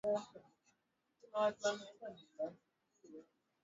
southern african bwana zuma amemwambia sarkozy ahimize wafanyi biashara